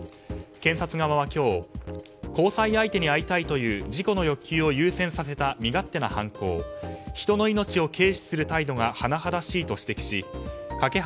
検察側は今日交際相手に会いたいという事故の欲求を優先させた身勝手な犯行人の命を軽視する態度がはなはだしいと指摘し梯